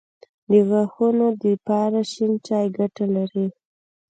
د غاښونو دپاره شين چای ګټه لري